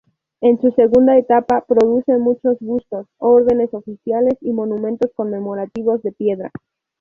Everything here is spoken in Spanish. En su segunda etapa, produce muchos bustos, órdenes oficiales y monumentos conmemorativos de piedra.